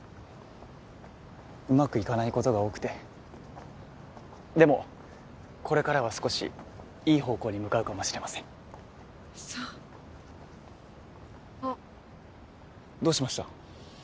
うまくいかないことが多くてでもこれからは少しいい方向に向かうかもしれませんそうあっどうしました？